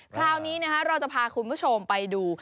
คราวนี้เราจะพาคุณผู้ชมไปดู